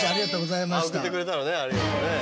送ってくれたのねありがとね。